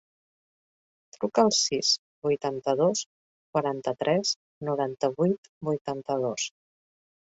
Truca al sis, vuitanta-dos, quaranta-tres, noranta-vuit, vuitanta-dos.